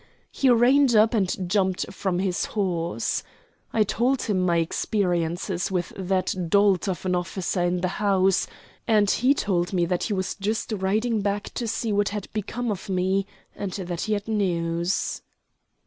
He reined up and jumped from his horse. I told him my experiences with that dolt of an officer in the house, and he told me he was just riding back to see what had become of me, and that he had news.